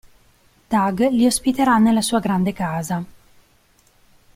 Doug li ospiterà nella sua grande casa.